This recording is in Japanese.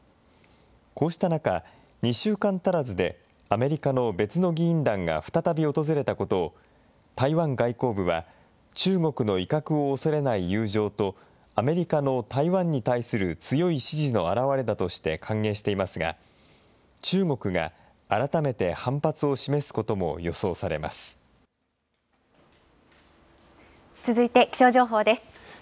こうした中、２週間足らずで、アメリカの別の議員団が再び訪れたことを、台湾外交部は、中国の威嚇を恐れない友情と、アメリカの台湾に対する強い支持のあらわれだとして歓迎していますが、中国が改めて反発を示すこと続いて気象情報です。